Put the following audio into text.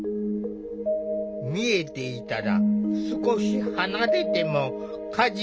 見えていたら少し離れても家事ができること。